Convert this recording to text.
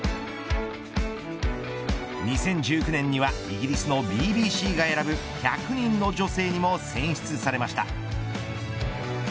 ２０１９年にはイギリスのＢＢＣが選ぶ１００人の女性にも選出されました。